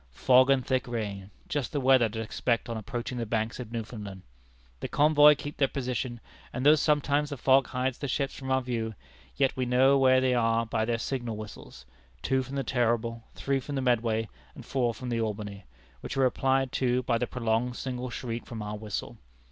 Fog and thick rain just the weather to expect on approaching the Banks of Newfoundland. The convoy keep their position, and though sometimes the fog hides the ships from our view, yet we know where they are by their signal whistles two from the Terrible, three from the Medway, and four from the Albany, which are replied to by the prolonged single shriek from our whistle.